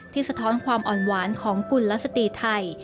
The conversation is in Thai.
สะท้อนความอ่อนหวานของกุลสตรีไทย